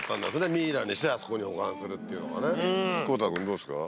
ミイラにしてあそこに保管するっていうのがね窪田君どうですか？